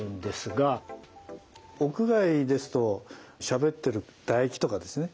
屋外ですとしゃべってる唾液とかですね